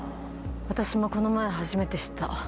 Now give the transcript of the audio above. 私もこの前初めて知った。